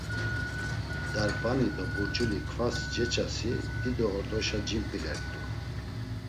Darp̌ani do burç̌uli kvas ceçasi dido ordoşa cimp̌ilert̆u.